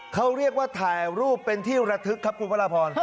เขาเรียกว่าถ่ายรูปเป็นที่ระทึกครับคุณพระราพร